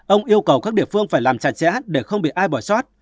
ông yêu cầu các địa phương phải làm chặt chẽ để không bị ai bỏ sót